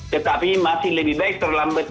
tetapi masih lebih baik terlambat